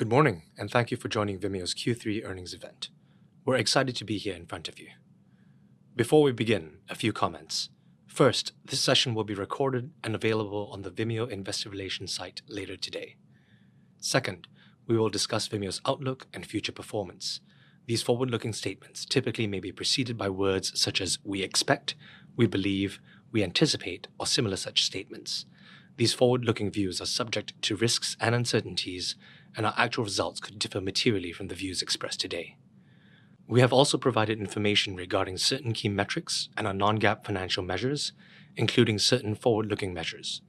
Good morning, and thank you for joining Vimeo's Q3 earnings event. We're excited to be here in front of you. Before we begin, a few comments. First, this session will be recorded and available on the Vimeo Investor Relations site later today. Second, we will discuss Vimeo's outlook and future performance. These forward-looking statements typically may be preceded by words such as "we expect," "we believe," "we anticipate," or similar such statements. These forward-looking views are subject to risks and uncertainties, and our actual results could differ materially from the views expressed today. We have also provided information regarding certain key metrics and our non-GAAP financial measures, including certain forward-looking measures.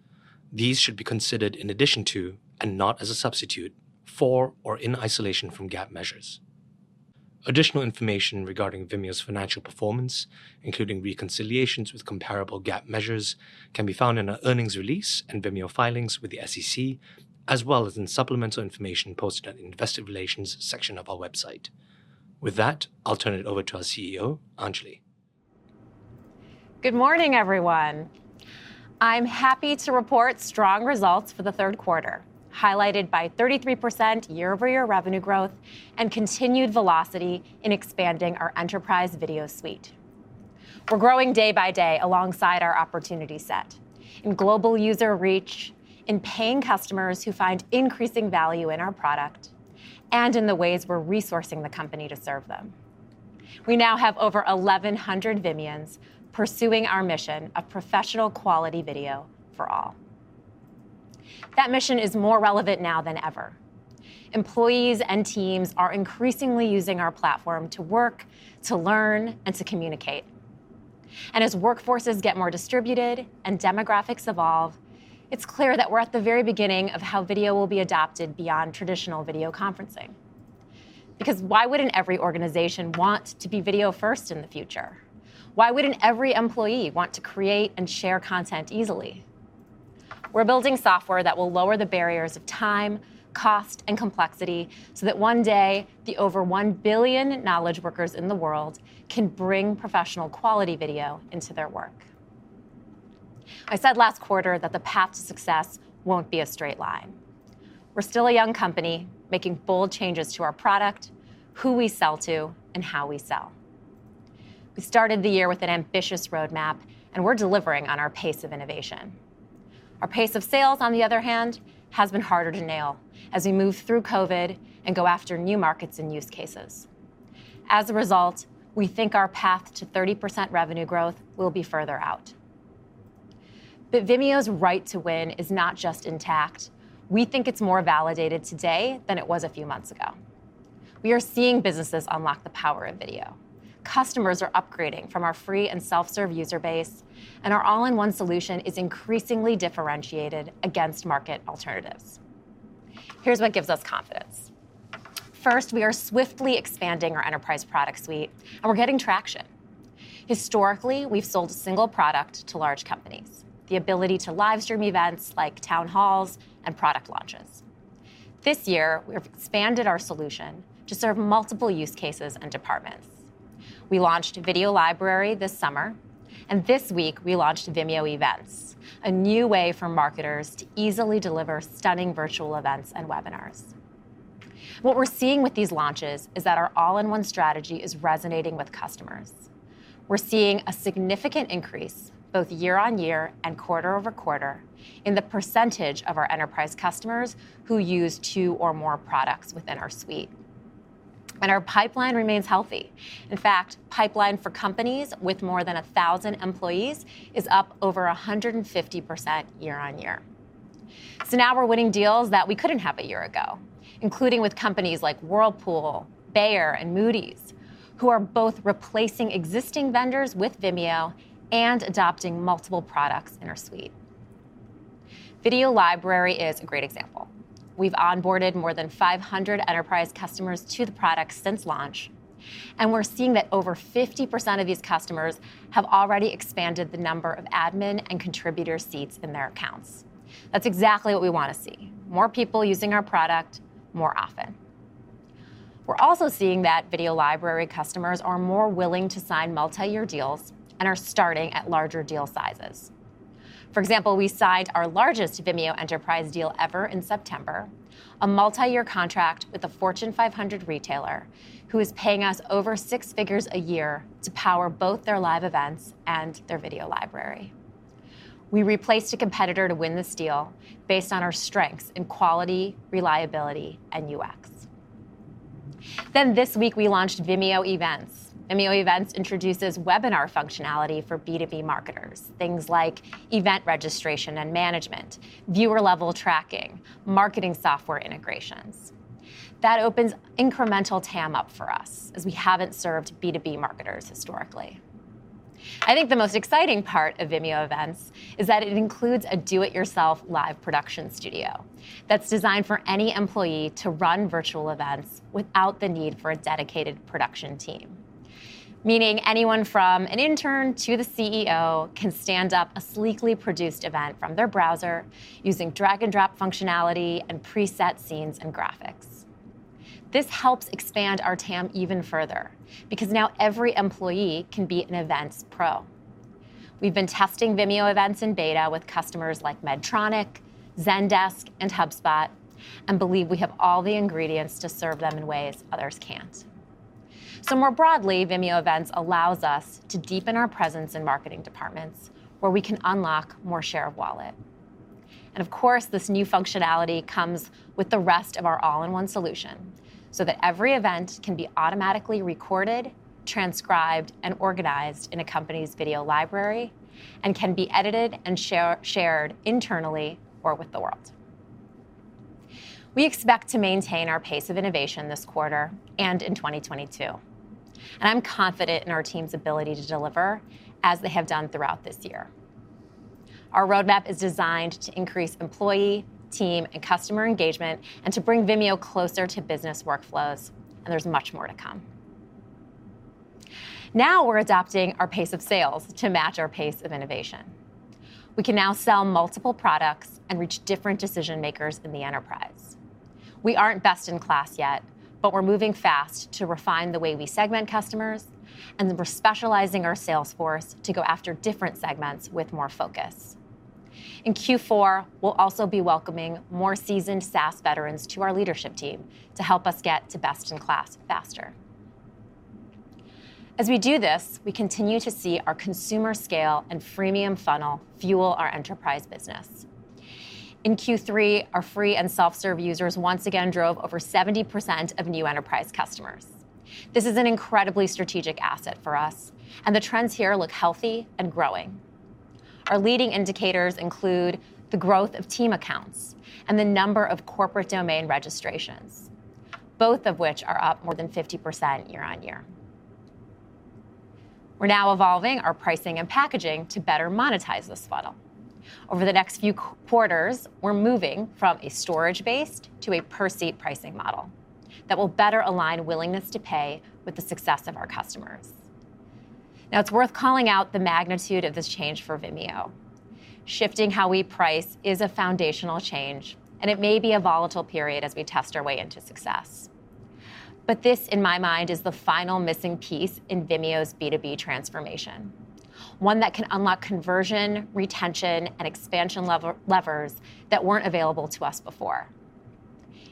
These should be considered in addition to and not as a substitute for or in isolation from GAAP measures. Additional information regarding Vimeo's financial performance, including reconciliations with comparable GAAP measures, can be found in our earnings release and Vimeo filings with the SEC, as well as in supplemental information posted at Investor Relations section of our website. With that, I'll turn it over to our CEO, Anjali. Good morning, everyone. I'm happy to report strong results for the third quarter, highlighted by 33% year-over-year revenue growth and continued velocity in expanding our enterprise video suite. We're growing day by day alongside our opportunity set in global user reach, in paying customers who find increasing value in our product, and in the ways we're resourcing the company to serve them. We now have over 1,100 Vimeans pursuing our mission of professional quality video for all. That mission is more relevant now than ever. Employees and teams are increasingly using our platform to work, to learn, and to communicate. As workforces get more distributed and demographics evolve, it's clear that we're at the very beginning of how video will be adopted beyond traditional video conferencing. Because why wouldn't every organization want to be video first in the future? Why wouldn't every employee want to create and share content easily? We're building software that will lower the barriers of time, cost, and complexity so that one day the over 1 billion knowledge workers in the world can bring professional quality video into their work. I said last quarter that the path to success won't be a straight line. We're still a young company making bold changes to our product, who we sell to, and how we sell. We started the year with an ambitious roadmap, and we're delivering on our pace of innovation. Our pace of sales, on the other hand, has been harder to nail as we move through COVID and go after new markets and use cases. As a result, we think our path to 30% revenue growth will be further out. Vimeo's right to win is not just intact, we think it's more validated today than it was a few months ago. We are seeing businesses unlock the power of video. Customers are upgrading from our free and self-serve user base, and our all-in-one solution is increasingly differentiated against market alternatives. Here's what gives us confidence. First, we are swiftly expanding our enterprise product suite, and we're getting traction. Historically, we've sold a single product to large companies, the ability to live stream events like town halls and product launches. This year, we've expanded our solution to serve multiple use cases and departments. We launched Video Library this summer, and this week we launched Vimeo Events, a new way for marketers to easily deliver stunning virtual events and webinars. What we're seeing with these launches is that our all-in-one strategy is resonating with customers. We're seeing a significant increase, both year-on-year and quarter-over-quarter, in the percentage of our enterprise customers who use two or more products within our suite. Our pipeline remains healthy. In fact, pipeline for companies with more than 1,000 employees is up over 150% year-on-year. Now we're winning deals that we couldn't have a year ago, including with companies like Whirlpool, Bayer, and Moody's, who are both replacing existing vendors with Vimeo and adopting multiple products in our suite. Video Library is a great example. We've onboarded more than 500 enterprise customers to the product since launch, and we're seeing that over 50% of these customers have already expanded the number of admin and contributor seats in their accounts. That's exactly what we wanna see. More people using our product more often. We're also seeing that Video Library customers are more willing to sign multi-year deals and are starting at larger deal sizes. For example, we signed our largest Vimeo enterprise deal ever in September, a multi-year contract with a Fortune 500 retailer who is paying us over six figures a year to power both their live events and their video library. We replaced a competitor to win this deal based on our strengths in quality, reliability, and UX. This week we launched Vimeo Events. Vimeo Events introduces webinar functionality for B2B marketers, things like event registration and management, viewer-level tracking, marketing software integrations. That opens incremental TAM up for us as we haven't served B2B marketers historically. I think the most exciting part of Vimeo Events is that it includes a do it yourself live production studio that's designed for any employee to run virtual events without the need for a dedicated production team, meaning anyone from an intern to the CEO can stand up a sleekly produced event from their browser using drag and drop functionality and preset scenes and graphics. This helps expand our TAM even further because now every employee can be an events pro. We've been testing Vimeo Events in beta with customers like Medtronic, Zendesk, and HubSpot, and believe we have all the ingredients to serve them in ways others can't. More broadly, Vimeo Events allows us to deepen our presence in marketing departments where we can unlock more share of wallet. Of course, this new functionality comes with the rest of our all-in-one solution so that every event can be automatically recorded, transcribed, and organized in a company's Video Library and can be edited and shared internally or with the world. We expect to maintain our pace of innovation this quarter and in 2022, and I'm confident in our team's ability to deliver as they have done throughout this year. Our roadmap is designed to increase employee, team, and customer engagement and to bring Vimeo closer to business workflows, and there's much more to come. Now we're adapting our pace of sales to match our pace of innovation. We can now sell multiple products and reach different decision-makers in the enterprise. We aren't best in class yet, but we're moving fast to refine the way we segment customers, and we're specializing our sales force to go after different segments with more focus. In Q4, we'll also be welcoming more seasoned SaaS veterans to our leadership team to help us get to best in class faster. As we do this, we continue to see our consumer scale and freemium funnel fuel our enterprise business. In Q3, our free and self-serve users once again drove over 70% of new enterprise customers. This is an incredibly strategic asset for us, and the trends here look healthy and growing. Our leading indicators include the growth of team accounts and the number of corporate domain registrations, both of which are up more than 50% year-over-year. We're now evolving our pricing and packaging to better monetize this funnel. Over the next few quarters, we're moving from a storage-based to a per-seat pricing model that will better align willingness to pay with the success of our customers. Now, it's worth calling out the magnitude of this change for Vimeo. Shifting how we price is a foundational change, and it may be a volatile period as we test our way into success. This, in my mind, is the final missing piece in Vimeo's B2B transformation, one that can unlock conversion, retention, and expansion levers that weren't available to us before.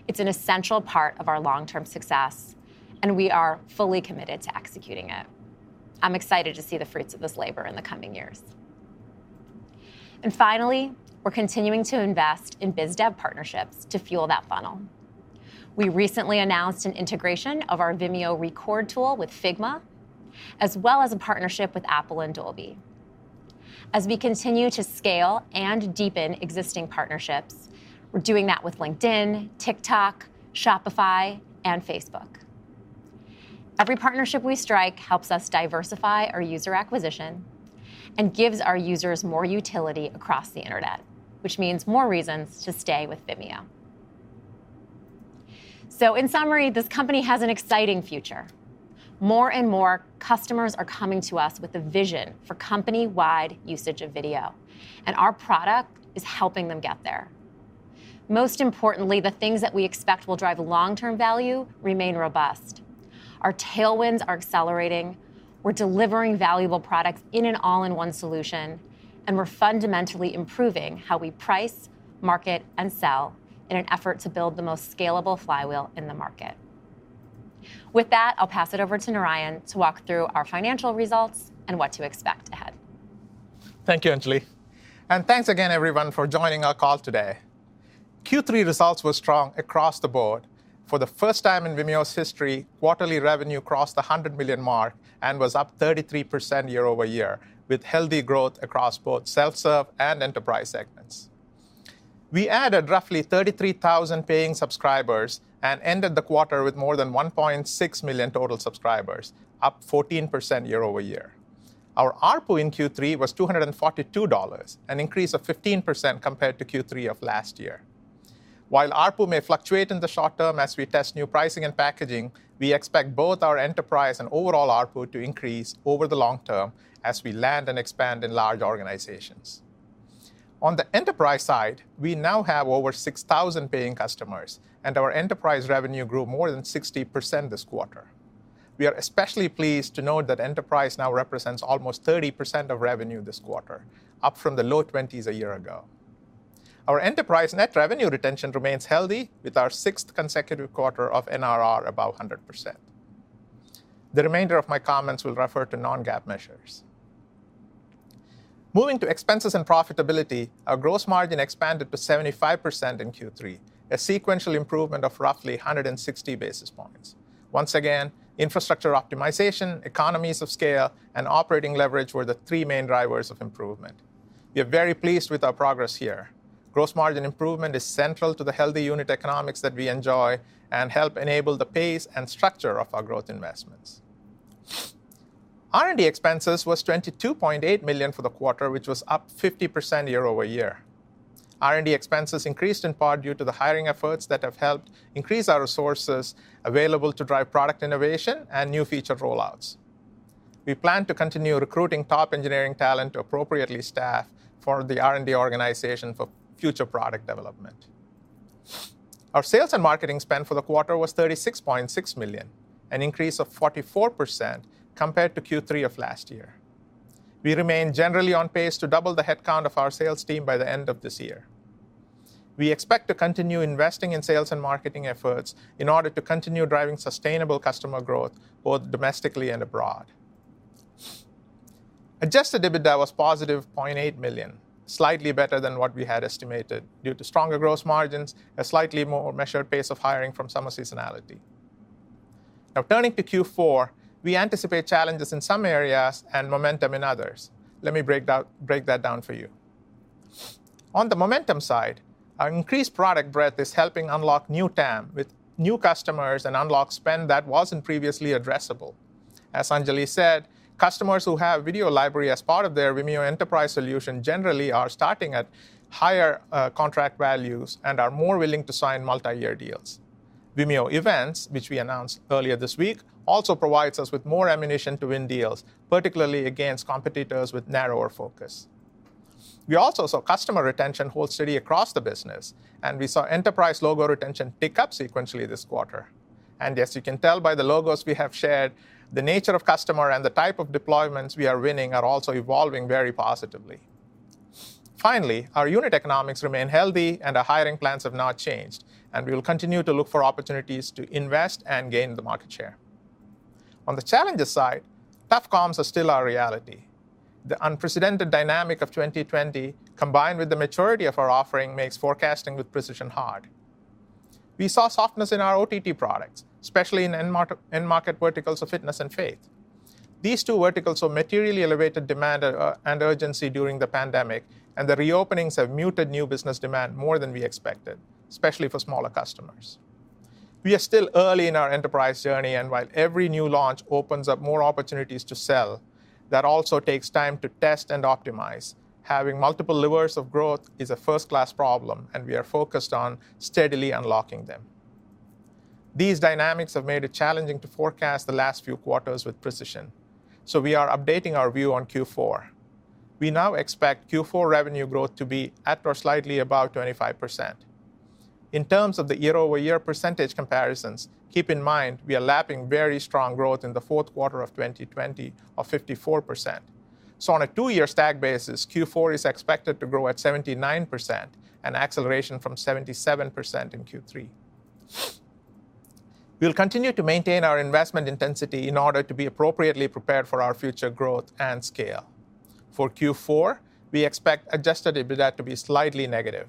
It's an essential part of our long-term success, and we are fully committed to executing it. I'm excited to see the fruits of this labor in the coming years. Finally, we're continuing to invest in biz dev partnerships to fuel that funnel. We recently announced an integration of our Vimeo Record tool with Figma, as well as a partnership with Apple and Dolby. As we continue to scale and deepen existing partnerships, we're doing that with LinkedIn, TikTok, Shopify, and Facebook. Every partnership we strike helps us diversify our user acquisition and gives our users more utility across the internet, which means more reasons to stay with Vimeo. In summary, this company has an exciting future. More and more customers are coming to us with a vision for company-wide usage of video, and our product is helping them get there. Most importantly, the things that we expect will drive long-term value remain robust. Our tailwinds are accelerating, we're delivering valuable products in an all-in-one solution, and we're fundamentally improving how we price, market, and sell in an effort to build the most scalable flywheel in the market. With that, I'll pass it over to Narayan to walk through our financial results and what to expect ahead. Thank you, Anjali, and thanks again, everyone, for joining our call today. Q3 results were strong across the board. For the first time in Vimeo's history, quarterly revenue crossed the $100 million mark and was up 33% year-over-year, with healthy growth across both self-serve and enterprise segments. We added roughly 33,000 paying subscribers and ended the quarter with more than 1.6 million total subscribers, up 14% year-over-year. Our ARPU in Q3 was $242, an increase of 15% compared to Q3 of last year. While ARPU may fluctuate in the short term as we test new pricing and packaging, we expect both our enterprise and overall ARPU to increase over the long term as we land and expand in large organizations. On the enterprise side, we now have over 6,000 paying customers, and our enterprise revenue grew more than 60% this quarter. We are especially pleased to note that enterprise now represents almost 30% of revenue this quarter, up from the low 20s% a year ago. Our enterprise net revenue retention remains healthy with our sixth consecutive quarter of NRR above 100%. The remainder of my comments will refer to non-GAAP measures. Moving to expenses and profitability, our gross margin expanded to 75% in Q3, a sequential improvement of roughly 160 basis points. Once again, infrastructure optimization, economies of scale, and operating leverage were the three main drivers of improvement. We are very pleased with our progress here. Gross margin improvement is central to the healthy unit economics that we enjoy and help enable the pace and structure of our growth investments. R&D expenses was $22.8 million for the quarter, which was up 50% year-over-year. R&D expenses increased in part due to the hiring efforts that have helped increase our resources available to drive product innovation and new feature rollouts. We plan to continue recruiting top engineering talent appropriately staffed for the R&D organization for future product development. Our sales and marketing spend for the quarter was $36.6 million, an increase of 44% compared to Q3 of last year. We remain generally on pace to double the headcount of our sales team by the end of this year. We expect to continue investing in sales and marketing efforts in order to continue driving sustainable customer growth both domestically and abroad. Adjusted EBITDA was positive $0.8 million, slightly better than what we had estimated due to stronger gross margins, a slightly more measured pace of hiring from summer seasonality. Now turning to Q4, we anticipate challenges in some areas and momentum in others. Let me break that down for you. On the momentum side, our increased product breadth is helping unlock new TAM with new customers and unlock spend that wasn't previously addressable. As Anjali said, customers who have Video Library as part of their Vimeo enterprise solution generally are starting at higher contract values and are more willing to sign multi-year deals. Vimeo Events, which we announced earlier this week, also provides us with more ammunition to win deals, particularly against competitors with narrower focus. We also saw customer retention hold steady across the business, and we saw enterprise logo retention pick up sequentially this quarter. As you can tell by the logos we have shared, the nature of customer and the type of deployments we are winning are also evolving very positively. Finally, our unit economics remain healthy and our hiring plans have not changed, and we will continue to look for opportunities to invest and gain the market share. On the challenges side, tough comps are still our reality. The unprecedented dynamic of 2020 combined with the maturity of our offering makes forecasting with precision hard. We saw softness in our OTT products, especially in end market verticals of fitness and faith. These two verticals saw materially elevated demand and urgency during the pandemic, and the re-openings have muted new business demand more than we expected, especially for smaller customers. We are still early in our enterprise journey, and while every new launch opens up more opportunities to sell, that also takes time to test and optimize. Having multiple levers of growth is a first-class problem, and we are focused on steadily unlocking them. These dynamics have made it challenging to forecast the last few quarters with precision, so we are updating our view on Q4. We now expect Q4 revenue growth to be at or slightly above 25%. In terms of the year-over-year percentage comparisons, keep in mind we are lapping very strong growth in the fourth quarter of 2020 of 54%. On a two-year stack basis, Q4 is expected to grow at 79%, an acceleration from 77% in Q3. We'll continue to maintain our investment intensity in order to be appropriately prepared for our future growth and scale. For Q4, we expect adjusted EBITDA to be slightly negative.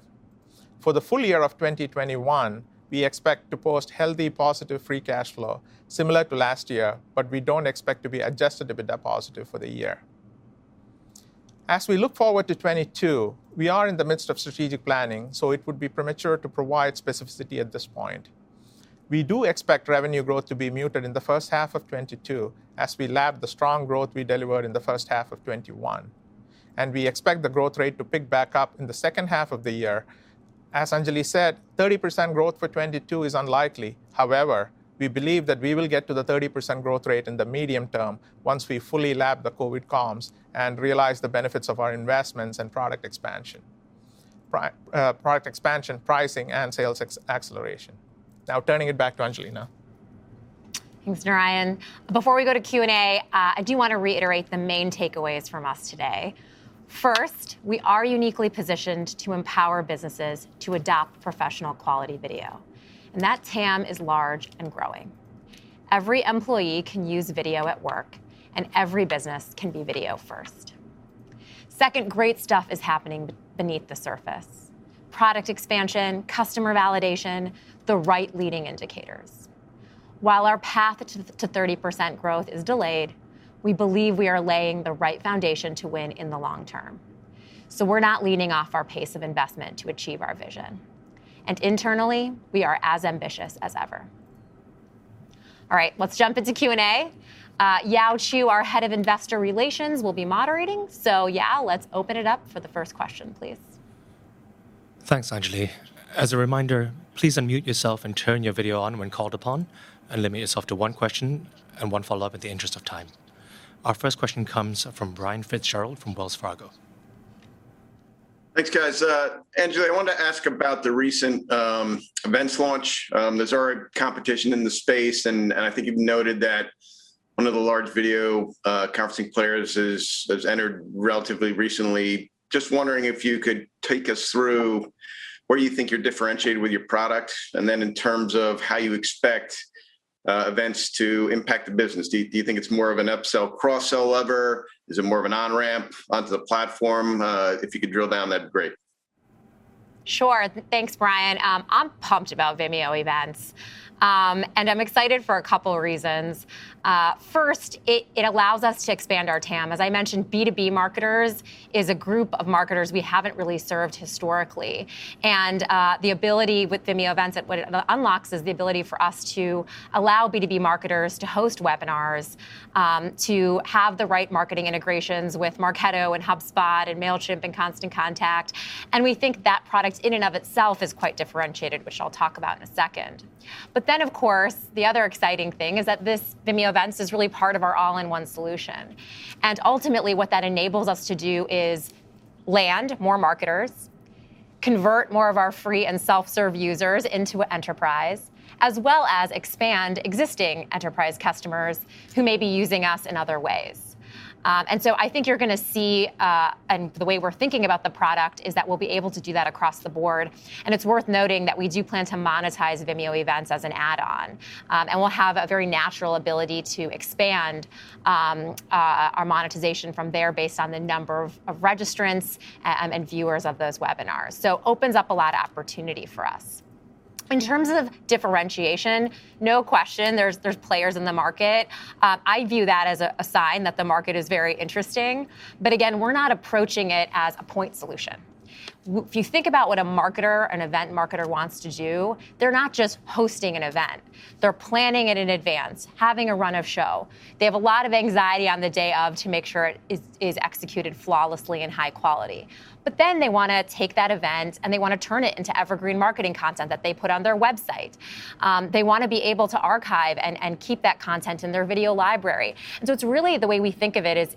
For the full year of 2021, we expect to post healthy positive free cash flow similar to last year, but we don't expect to be adjusted EBITDA positive for the year. As we look forward to 2022, we are in the midst of strategic planning, so it would be premature to provide specificity at this point. We do expect revenue growth to be muted in the first half of 2022 as we lap the strong growth we delivered in the first half of 2021, and we expect the growth rate to pick back up in the second half of the year. As Anjali said, 30% growth for 2022 is unlikely. However, we believe that we will get to the 30% growth rate in the medium term once we fully lap the COVID comps and realize the benefits of our investments and product expansion, pricing, and sales expansion acceleration. Now turning it back to Anjali. Thanks, Narayan. Before we go to Q&A, I do wanna reiterate the main takeaways from us today. First, we are uniquely positioned to empower businesses to adopt professional quality video, and that TAM is large and growing. Every employee can use video at work, and every business can be video first. Second, great stuff is happening beneath the surface. Product expansion, customer validation, the right leading indicators. While our path to 30% growth is delayed, we believe we are laying the right foundation to win in the long term. We're not easing off our pace of investment to achieve our vision, and internally, we are as ambitious as ever. All right, let's jump into Q&A. Yaoxian Chew, our head of investor relations, will be moderating. Yao, let's open it up for the first question, please. Thanks, Anjali. As a reminder, please unmute yourself and turn your video on when called upon, and limit yourself to one question and one follow-up in the interest of time. Our first question comes from Brian Fitzgerald from Wells Fargo. Thanks, guys. Anjali, I wanted to ask about the recent Events launch. There's already competition in the space, and I think you've noted that one of the large video conferencing players has entered relatively recently. Just wondering if you could take us through where you think you're differentiated with your product, and then in terms of how you expect Events to impact the business. Do you think it's more of an upsell, cross-sell lever? Is it more of an on-ramp onto the platform? If you could drill down, that'd be great. Sure. Thanks, Brian. I'm pumped about Vimeo Events, and I'm excited for a couple reasons. First, it allows us to expand our TAM. As I mentioned, B2B marketers is a group of marketers we haven't really served historically. The ability with Vimeo Events and what it unlocks is the ability for us to allow B2B marketers to host webinars, to have the right marketing integrations with Marketo and HubSpot and Mailchimp and Constant Contact. We think that product in and of itself is quite differentiated, which I'll talk about in a second. Of course, the other exciting thing is that this Vimeo Events is really part of our all-in-one solution. Ultimately, what that enables us to do is to land more marketers, convert more of our free and self-serve users into enterprise, as well as expand existing enterprise customers who may be using us in other ways. I think you're gonna see, and the way we're thinking about the product is that we'll be able to do that across the board, and it's worth noting that we do plan to monetize Vimeo Events as an add-on. We'll have a very natural ability to expand our monetization from there based on the number of registrants and viewers of those webinars. Opens up a lot of opportunity for us. In terms of differentiation, no question, there's players in the market. I view that as a sign that the market is very interesting. Again, we're not approaching it as a point solution. If you think about what a marketer, an event marketer wants to do, they're not just hosting an event. They're planning it in advance, having a run of show. They have a lot of anxiety on the day of to make sure it is executed flawlessly and high quality. But then they wanna take that event, and they wanna turn it into evergreen marketing content that they put on their website. They wanna be able to archive and keep that content in their Video Library. It's really the way we think of it.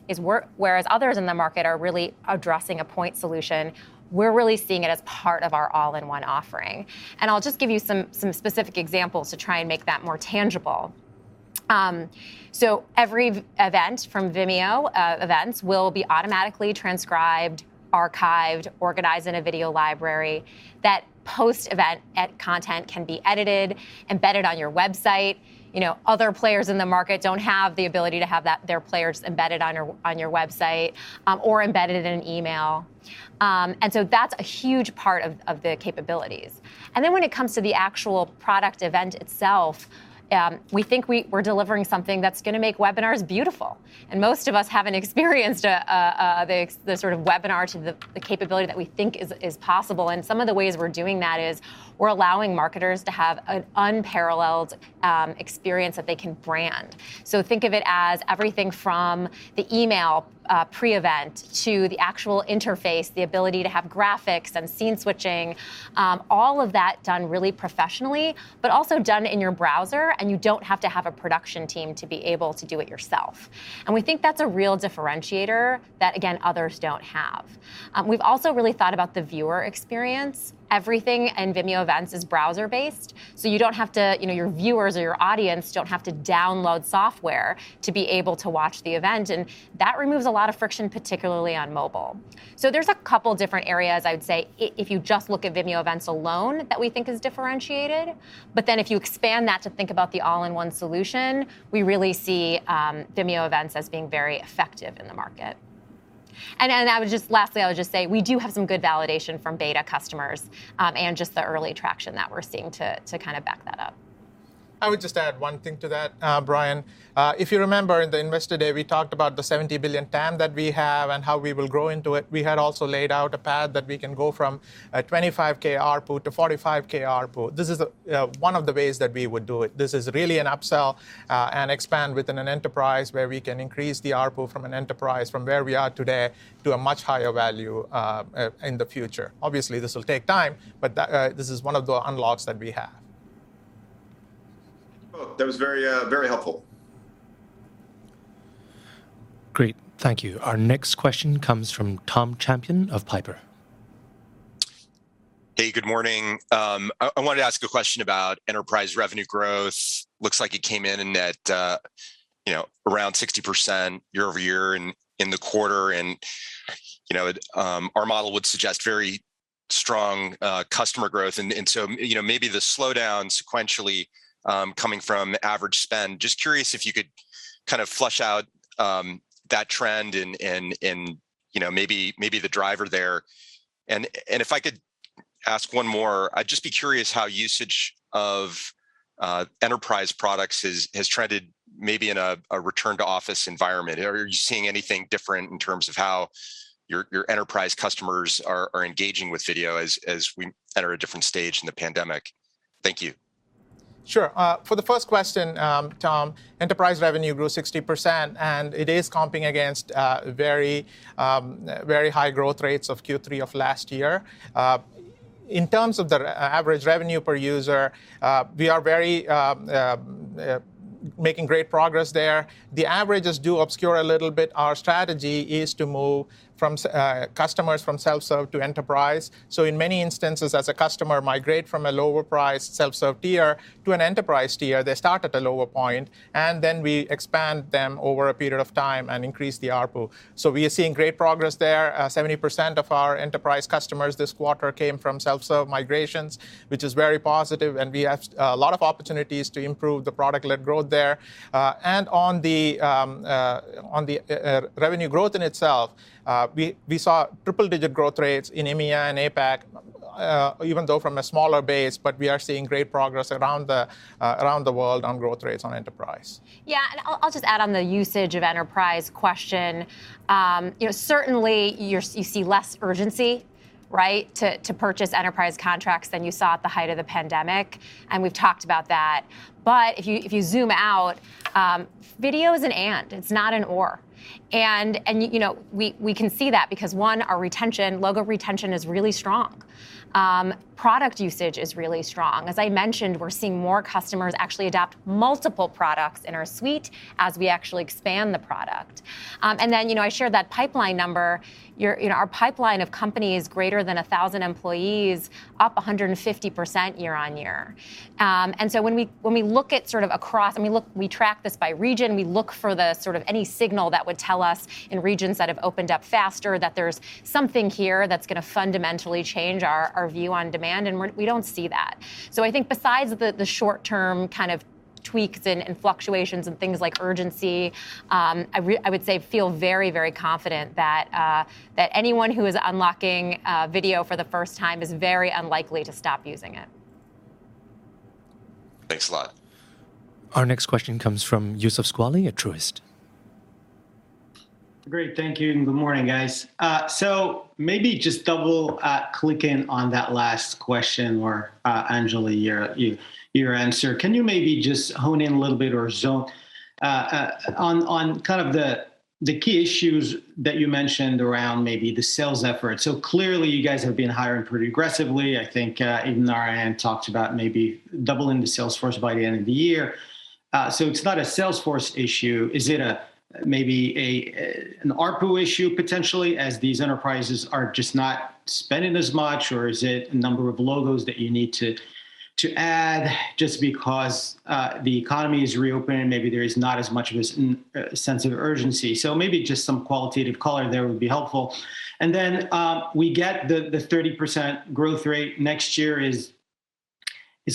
Whereas others in the market are really addressing a point solution, we're really seeing it as part of our all-in-one offering. I'll just give you some specific examples to try and make that more tangible. Every event from Vimeo Events will be automatically transcribed, archived, organized in a Video Library that post-event that content can be edited, embedded on your website. You know, other players in the market don't have the ability to have that, their players embedded on your website or embedded in an email. That's a huge part of the capabilities. When it comes to the actual product event itself, we think we're delivering something that's gonna make webinars beautiful. Most of us haven't experienced the sort of webinar up to the capability that we think is possible, and some of the ways we're doing that is we're allowing marketers to have an unparalleled experience that they can brand. Think of it as everything from the email pre-event to the actual interface, the ability to have graphics and scene switching, all of that done really professionally, but also done in your browser, and you don't have to have a production team to be able to do it yourself. We think that's a real differentiator that again, others don't have. We've also really thought about the viewer experience. Everything in Vimeo Events is browser-based, so you don't have to, you know, your viewers or your audience don't have to download software to be able to watch the event, and that removes a lot of friction, particularly on mobile. There's a couple different areas I would say if you just look at Vimeo Events alone that we think is differentiated. If you expand that to think about the all-in-one solution, we really see Vimeo Events as being very effective in the market. I would just lastly say we do have some good validation from beta customers, and just the early traction that we're seeing to kinda back that up. I would just add one thing to that, Brian. If you remember in the Investor Day, we talked about the $70 billion TAM that we have and how we will grow into it. We had also laid out a path that we can go from a $25,000 ARPU to $45,000 ARPU. This is one of the ways that we would do it. This is really an upsell and expand within an enterprise where we can increase the ARPU for an enterprise from where we are today to a much higher value in the future. Obviously, this will take time, but this is one of the unlocks that we have. Oh, that was very, very helpful. Great. Thank you. Our next question comes from Tom Champion of Piper. Hey, good morning. I wanted to ask a question about enterprise revenue growth. Looks like it came in at, you know, around 60% year over year in the quarter and, you know, our model would suggest very strong customer growth. You know, maybe the slowdown sequentially coming from average spend. Just curious if you could kind of flesh out that trend and, you know, maybe the driver there. If I could ask one more. I'd just be curious how usage of enterprise products has trended maybe in a return-to-office environment. Are you seeing anything different in terms of how your enterprise customers are engaging with video as we enter a different stage in the pandemic? Thank you. Sure. For the first question, Tom, enterprise revenue grew 60%, and it is comping against very high growth rates of Q3 of last year. In terms of the average revenue per user, we are making great progress there. The averages do obscure a little bit. Our strategy is to move customers from self-serve to enterprise. In many instances, as a customer migrate from a lower price self-serve tier to an enterprise tier, they start at a lower point, and then we expand them over a period of time and increase the ARPU. We are seeing great progress there. 70% of our enterprise customers this quarter came from self-serve migrations, which is very positive, and we have a lot of opportunities to improve the product-led growth there. On the revenue growth in itself, we saw triple-digit growth rates in EMEA and APAC, even though from a smaller base, but we are seeing great progress around the world on growth rates on enterprise. Yeah, I'll just add on the usage of enterprise question. You know, certainly, you see less urgency, right, to purchase enterprise contracts than you saw at the height of the pandemic, and we've talked about that. If you zoom out, video is an and. It's not an or. You know, we can see that because our logo retention is really strong. Product usage is really strong. As I mentioned, we're seeing more customers actually adopt multiple products in our suite as we actually expand the product. You know, I shared that pipeline number. You know, our pipeline of companies greater than 1,000 employees up 150% year-over-year. I mean, look, we track this by region. We look for the sort of any signal that would tell us in regions that have opened up faster that there's something here that's gonna fundamentally change our view on demand, and we don't see that. I think besides the short-term kind of tweaks and fluctuations in things like urgency, I would say I feel very, very confident that anyone who is unlocking video for the first time is very unlikely to stop using it. Thanks a lot. Our next question comes from Youssef Squali at Truist. Great. Thank you, and good morning, guys. Maybe just double clicking on that last question where Anjali, your answer. Can you maybe just hone in a little bit or zoom in on kind of the key issues that you mentioned around maybe the sales effort? Clearly you guys have been hiring pretty aggressively. I think even Narayan talked about maybe doubling the sales force by the end of the year. It's not a sales force issue. Is it maybe an ARPU issue potentially as these enterprises are just not spending as much, or is it a number of logos that you need to add just because the economy is reopening and maybe there is not as much of a sense of urgency? Maybe just some qualitative color there would be helpful. Then we get the 30% growth rate next year is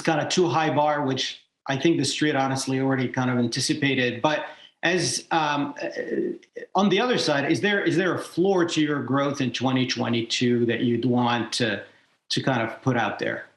kind of too high bar, which I think the street honestly already kind of anticipated. As on the other side, is there a floor to your growth in 2022 that you'd want to kind of put out there?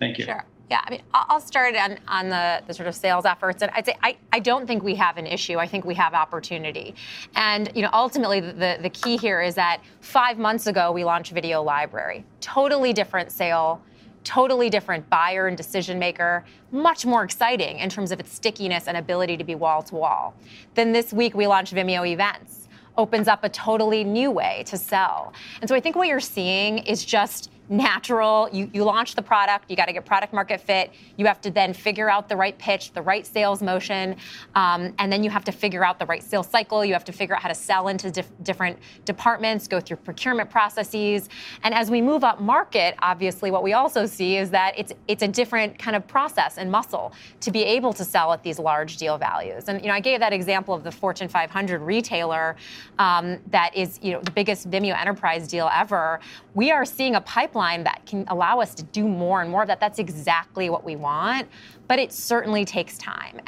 Thank you. Sure. Yeah. I mean, I'll start on the sort of sales efforts. I'd say I don't think we have an issue. I think we have opportunity. You know, ultimately the key here is that five months ago we launched Video Library. Totally different sale, totally different buyer and decision-maker. Much more exciting in terms of its stickiness and ability to be wall-to-wall. This week we launched Vimeo Events. Opens up a totally new way to sell. I think what you're seeing is just natural. You launch the product, you gotta get product market fit. You have to then figure out the right pitch, the right sales motion, and then you have to figure out the right sales cycle. You have to figure out how to sell into different departments, go through procurement processes. As we move up market, obviously what we also see is that it's a different kind of process and muscle to be able to sell at these large deal values. You know, I gave that example of the Fortune 500 retailer, that is, you know, the biggest Vimeo enterprise deal ever. We are seeing a pipeline that can allow us to do more and more of that. That's exactly what we want, but it certainly takes time.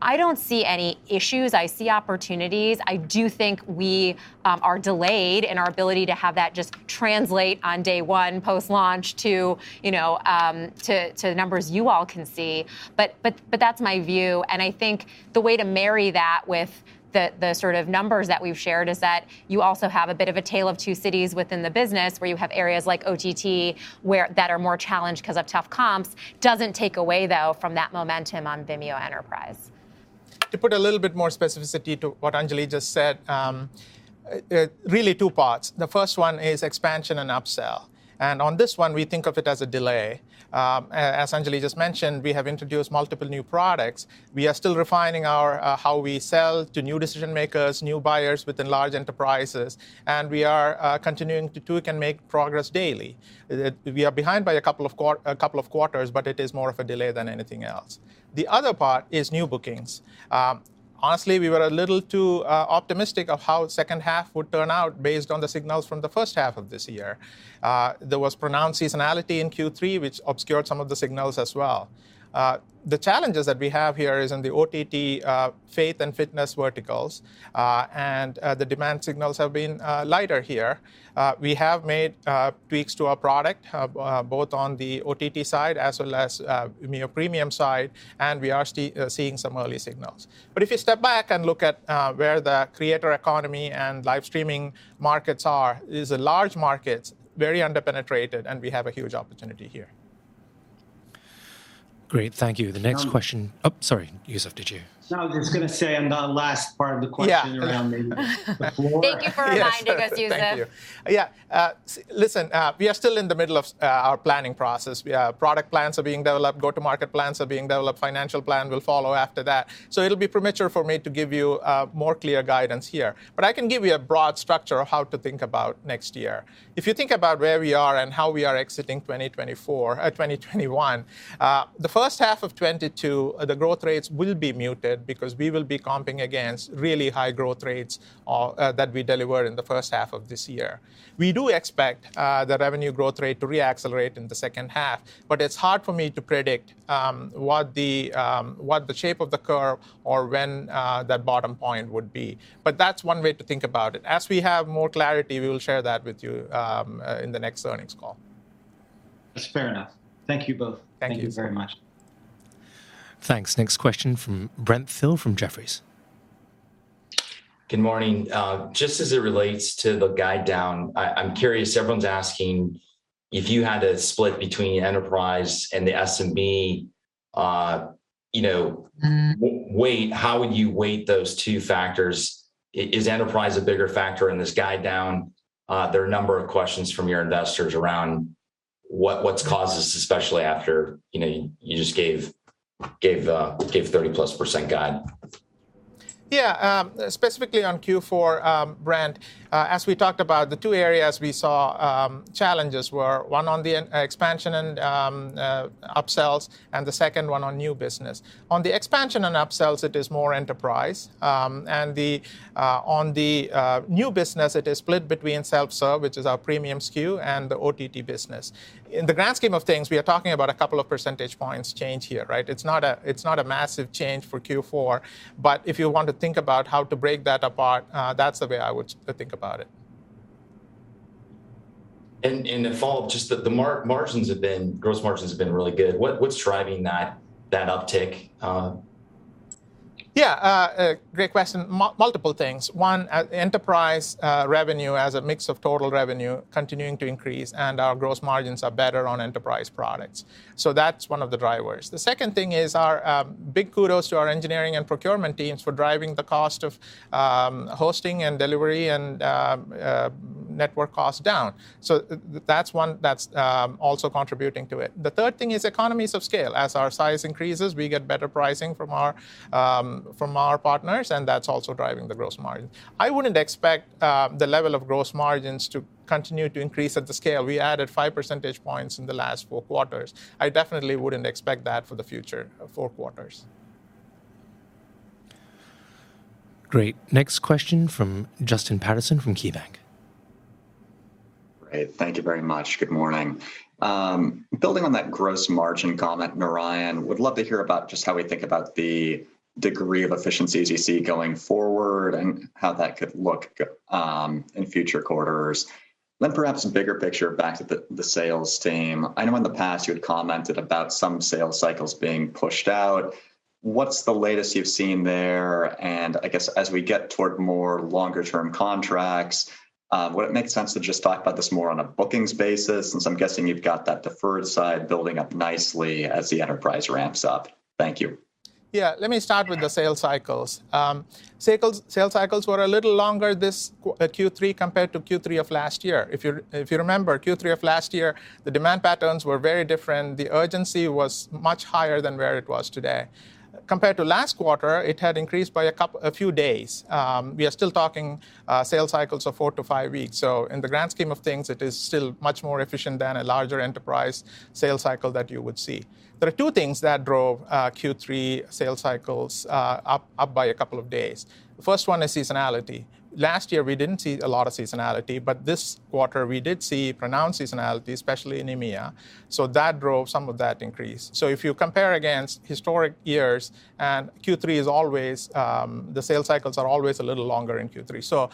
I don't see any issues. I see opportunities. I do think we are delayed in our ability to have that just translate on day one post-launch to, you know, to numbers you all can see. But that's my view. I think the way to marry that with the sort of numbers that we've shared is that you also have a bit of a tale of two cities within the business where you have areas like OTT, that are more challenged 'cause of tough comps. Doesn't take away, though, from that momentum on Vimeo Enterprise. To put a little bit more specificity to what Anjali just said, really two parts. The first one is expansion and upsell, and on this one we think of it as a delay. As Anjali just mentioned, we have introduced multiple new products. We are still refining our how we sell to new decision-makers, new buyers within large enterprises, and we are continuing to do it and make progress daily. We are behind by a couple of quarters, but it is more of a delay than anything else. The other part is new bookings. Honestly, we were a little too optimistic of how second half would turn out based on the signals from the first half of this year. There was pronounced seasonality in Q3, which obscured some of the signals as well. The challenges that we have here is in the OTT, faith and fitness verticals, and the demand signals have been lighter here. We have made tweaks to our product, both on the OTT side as well as Vimeo Premium side, and we are seeing some early signals. If you step back and look at where the creator economy and live streaming markets are, it is a large market, very under-penetrated, and we have a huge opportunity here. Great. Thank you. The next question. Um- Oh, sorry. Youssef, did you? No, I was gonna say on the last part of the question. Yeah around the floor. Thank you for reminding us, Youssef. Thank you. We are still in the middle of our planning process. We have product plans are being developed, go-to-market plans are being developed, financial plan will follow after that. It'll be premature for me to give you more clear guidance here. I can give you a broad structure of how to think about next year. If you think about where we are and how we are exiting 2021, the first half of 2022, the growth rates will be muted because we will be comping against really high growth rates that we delivered in the first half of this year. We do expect the revenue growth rate to re-accelerate in the second half, but it's hard for me to predict what the shape of the curve or when that bottom point would be. That's one way to think about it. As we have more clarity, we will share that with you in the next earnings call. That's fair enough. Thank you both. Thank you. Thank you very much. Thanks. Next question from Brent Thill from Jefferies. Good morning. Just as it relates to the guidance down, I'm curious, everyone's asking if you had to split between enterprise and the SMB, you know- Mm Weight, how would you weight those two factors? Is enterprise a bigger factor in this guide down? There are a number of questions from your investors around what's caused this, especially after, you know, you just gave 30+% guide. Yeah. Specifically on Q4, Brent, as we talked about, the two areas we saw challenges were one on an expansion and upsells and the second one on new business. On the expansion and upsells, it is more enterprise. On the new business, it is split between self-serve, which is our premium SKU, and the OTT business. In the grand scheme of things, we are talking about a couple of percentage points change here, right? It's not a massive change for Q4, but if you want to think about how to break that apart, that's the way I would think about it. A follow-up, just the gross margins have been really good. What's driving that uptick? Yeah, a great question. Multiple things. One, enterprise revenue as a mix of total revenue continuing to increase, and our gross margins are better on enterprise products. That's one of the drivers. The second thing is our big kudos to our engineering and procurement teams for driving the cost of hosting and delivery and network costs down. That's one that's also contributing to it. The third thing is economies of scale. As our size increases, we get better pricing from our partners, and that's also driving the gross margin. I wouldn't expect the level of gross margins to continue to increase at the scale. We added five percentage points in the last four quarters. I definitely wouldn't expect that for the future four quarters. Great. Next question from Justin Patterson from KeyBanc. Great. Thank you very much. Good morning. Building on that gross margin comment, Narayan, would love to hear about just how we think about the degree of efficiencies you see going forward and how that could look in future quarters. Then perhaps bigger picture back to the sales team. I know in the past you had commented about some sales cycles being pushed out. What's the latest you've seen there? And I guess as we get toward more longer term contracts, would it make sense to just talk about this more on a bookings basis, since I'm guessing you've got that deferred side building up nicely as the enterprise ramps up? Thank you. Yeah. Let me start with the sales cycles. Sales cycles were a little longer this Q3 compared to Q3 of last year. If you remember, Q3 of last year, the demand patterns were very different. The urgency was much higher than where it was today. Compared to last quarter, it had increased by a few days. We are still talking sales cycles of four-five weeks. So in the grand scheme of things, it is still much more efficient than a larger enterprise sales cycle that you would see. There are two things that drove Q3 sales cycles up by a couple of days. First one is seasonality. Last year, we didn't see a lot of seasonality, but this quarter we did see pronounced seasonality, especially in EMEA, so that drove some of that increase. If you compare against historic years, and Q3 is always the sales cycles are always a little longer in Q3.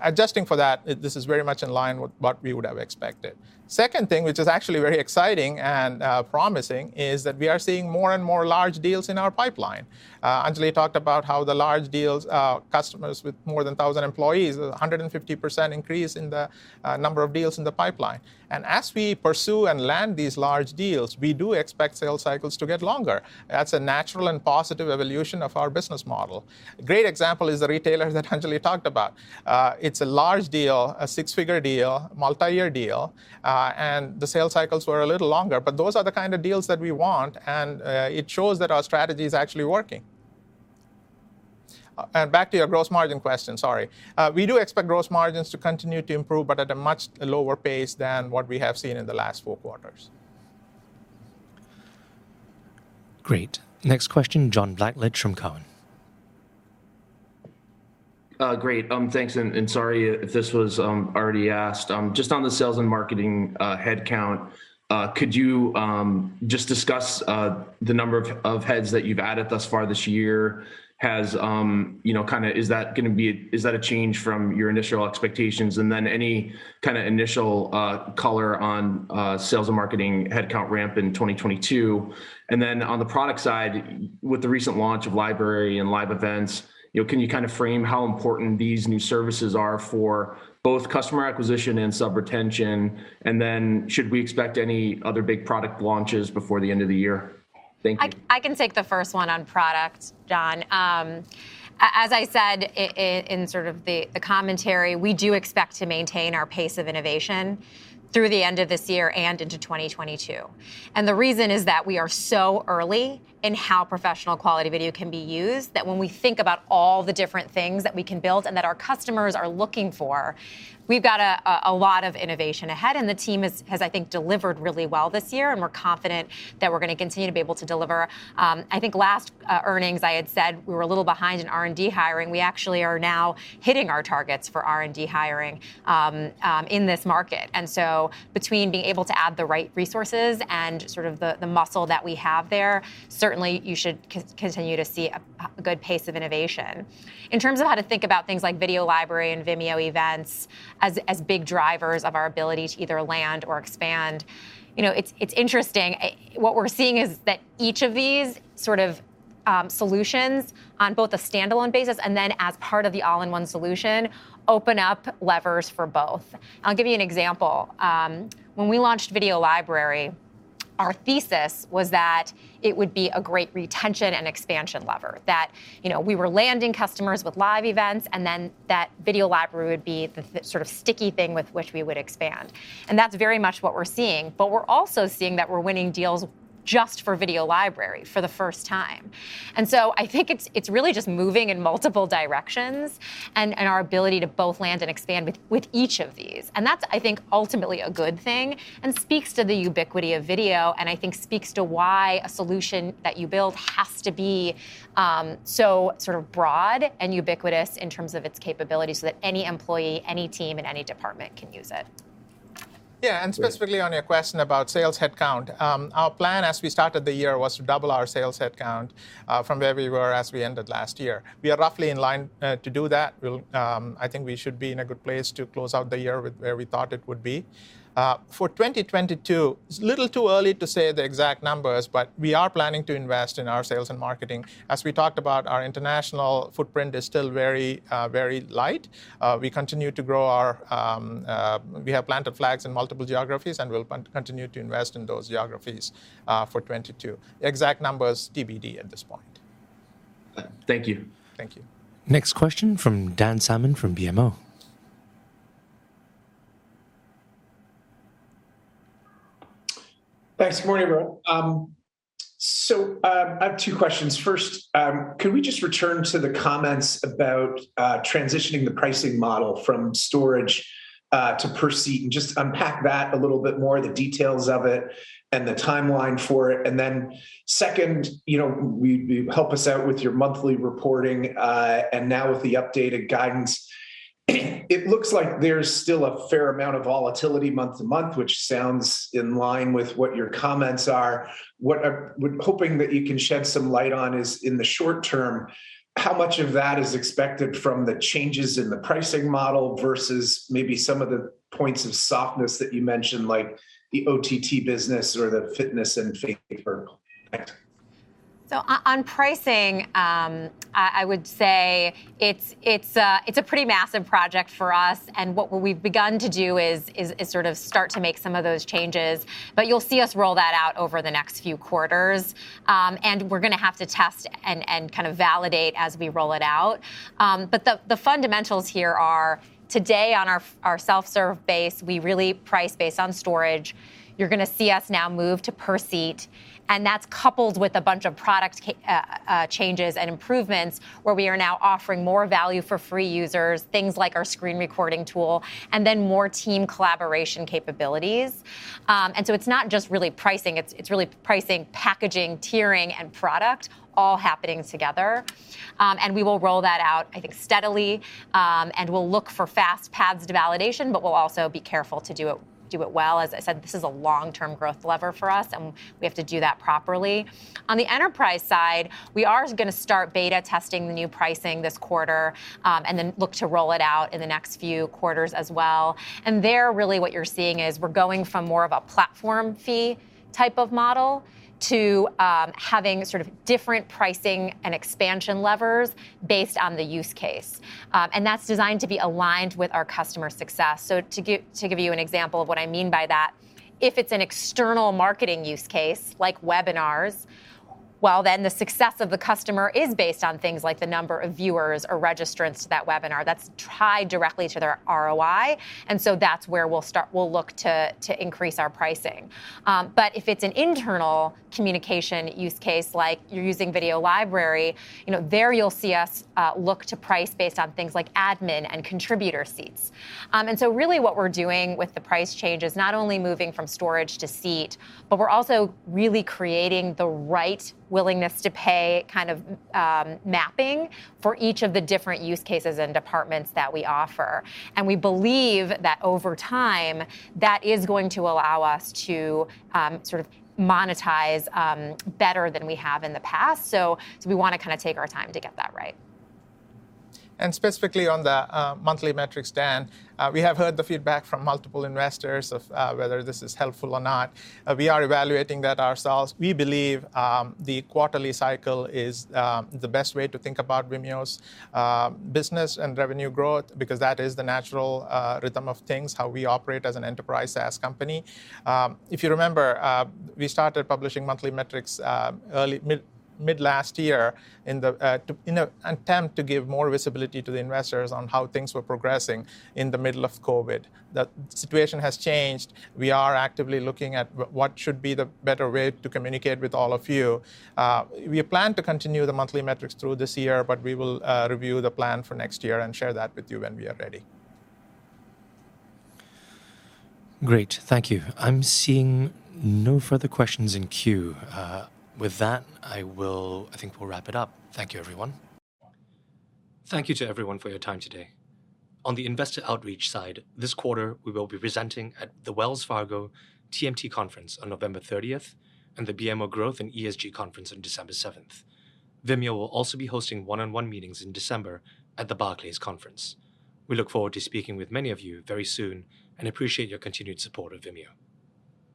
Adjusting for that, this is very much in line with what we would have expected. Second thing, which is actually very exciting and promising, is that we are seeing more and more large deals in our pipeline. Anjali talked about how the large deals, customers with more than 1,000 employees, 150% increase in the number of deals in the pipeline. As we pursue and land these large deals, we do expect sales cycles to get longer. That's a natural and positive evolution of our business model. A great example is the retailer that Anjali talked about. It's a large deal, a six-figure deal, multi-year deal, and the sales cycles were a little longer. Those are the kind of deals that we want, and it shows that our strategy is actually working. Back to your gross margin question, sorry. We do expect gross margins to continue to improve, but at a much lower pace than what we have seen in the last four quarters. Great. Next question, John Blackledge from TD Cowen. Great. Thanks, and sorry if this was already asked. Just on the sales and marketing headcount, could you just discuss the number of heads that you've added thus far this year? Is that a change from your initial expectations? Any kinda initial color on sales and marketing headcount ramp in 2022. On the product side, with the recent launch of Library and Live Events, you know, can you kinda frame how important these new services are for both customer acquisition and sub retention? Should we expect any other big product launches before the end of the year? Thank you. I can take the first one on product, John. As I said in sort of the commentary, we do expect to maintain our pace of innovation through the end of this year and into 2022. The reason is that we are so early in how professional quality video can be used that when we think about all the different things that we can build and that our customers are looking for, we've got a lot of innovation ahead, and the team has I think delivered really well this year, and we're confident that we're gonna continue to be able to deliver. I think last earnings, I had said we were a little behind in R&D hiring. We actually are now hitting our targets for R&D hiring in this market. Between being able to add the right resources and sort of the muscle that we have there, certainly you should continue to see a good pace of innovation. In terms of how to think about things like Video Library and Vimeo Events as big drivers of our ability to either land or expand, you know, it's interesting. What we're seeing is that each of these sort of solutions on both a standalone basis and then as part of the all-in-one solution open up levers for both. I'll give you an example. When we launched Video Library, our thesis was that it would be a great retention and expansion lever, that, you know, we were landing customers with Live Events, and then that Video Library would be the sort of sticky thing with which we would expand. That's very much what we're seeing, but we're also seeing that we're winning deals just for Video Library for the first time. I think it's really just moving in multiple directions and our ability to both land and expand with each of these. That's, I think, ultimately a good thing and speaks to the ubiquity of video, and I think speaks to why a solution that you build has to be so sort of broad and ubiquitous in terms of its capability so that any employee, any team in any department can use it. Specifically on your question about sales headcount. Our plan as we started the year was to double our sales headcount from where we were as we ended last year. We are roughly in line to do that. I think we should be in a good place to close out the year with where we thought it would be. For 2022, it's a little too early to say the exact numbers, but we are planning to invest in our sales and marketing. As we talked about, our international footprint is still very, very light. We have planted flags in multiple geographies, and we'll plan to continue to invest in those geographies for 2022. Exact numbers TBD at this point. Thank you. Thank you. Next question from Dan Salmon from BMO. Thanks. Good morning, everyone. I have two questions. First, could we just return to the comments about transitioning the pricing model from storage to per seat, and just unpack that a little bit more, the details of it and the timeline for it? Second, you know, you help us out with your monthly reporting, and now with the updated guidance, it looks like there's still a fair amount of volatility month to month, which sounds in line with what your comments are. What I'm hoping that you can shed some light on is, in the short term, how much of that is expected from the changes in the pricing model versus maybe some of the points of softness that you mentioned, like the OTT business or the fitness and faith vertical? On pricing, I would say it's a pretty massive project for us. What we've begun to do is sort of start to make some of those changes. You'll see us roll that out over the next few quarters. We're gonna have to test and kind of validate as we roll it out. The fundamentals here are today on our self-serve base, we really price based on storage. You're gonna see us now move to per seat, and that's coupled with a bunch of product changes and improvements where we are now offering more value for free users, things like our screen recording tool and then more team collaboration capabilities. It's not just really pricing, it's really pricing, packaging, tiering and product all happening together. We will roll that out, I think, steadily, and we'll look for fast paths to validation, but we'll also be careful to do it well. As I said, this is a long-term growth lever for us, and we have to do that properly. On the enterprise side, we are gonna start beta testing the new pricing this quarter, and then look to roll it out in the next few quarters as well. There, really what you're seeing is we're going from more of a platform fee type of model to, having sort of different pricing and expansion levers based on the use case. That's designed to be aligned with our customer success. To give you an example of what I mean by that, if it's an external marketing use case like webinars, then the success of the customer is based on things like the number of viewers or registrants to that webinar. That's tied directly to their ROI. That's where we'll start, we'll look to increase our pricing. If it's an internal communication use case, like you're using Video Library, there you'll see us look to price based on things like admin and contributor seats. Really what we're doing with the price change is not only moving from storage to seat, but we're also really creating the right willingness to pay kind of mapping for each of the different use cases and departments that we offer. We believe that over time, that is going to allow us to sort of monetize better than we have in the past. So we wanna kinda take our time to get that right. Specifically on the monthly metrics, Dan, we have heard the feedback from multiple investors of whether this is helpful or not. We are evaluating that ourselves. We believe the quarterly cycle is the best way to think about Vimeo's business and revenue growth because that is the natural rhythm of things, how we operate as an enterprise SaaS company. If you remember, we started publishing monthly metrics mid last year in an attempt to give more visibility to the investors on how things were progressing in the middle of COVID. The situation has changed. We are actively looking at what should be the better way to communicate with all of you. We plan to continue the monthly metrics through this year, but we will review the plan for next year and share that with you when we are ready. Great. Thank you. I'm seeing no further questions in queue. With that, I think we'll wrap it up. Thank you, everyone. Thank you to everyone for your time today. On the investor outreach side, this quarter we will be presenting at the Wells Fargo TMT Conference on November 30th and the BMO Growth and ESG Conference on December 7th. Vimeo will also be hosting one-on-one meetings in December at the Barclays Conference. We look forward to speaking with many of you very soon and appreciate your continued support of Vimeo.